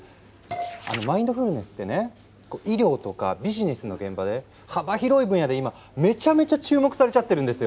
あのマインドフルネスってね医療とかビジネスの現場で幅広い分野で今めちゃめちゃ注目されちゃってるんですよ。